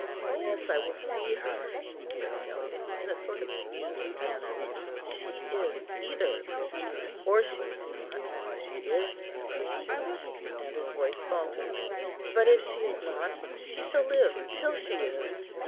"Yes, I will see her," said Agellius, in a sort of musing manner; "she is either a Christian, or she is not. If she is a Christian ..." and his voice faltered; "but if she is not, she shall live till she is."